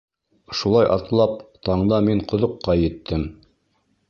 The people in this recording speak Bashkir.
Шулай атлап таңда мин ҡоҙоҡҡа еттем.